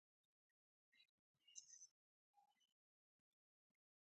د دې پر ځای يې پر توليدي شرکتونو خام پولاد پلورل.